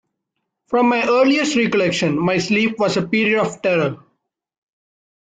From my earliest recollection my sleep was a period of terror.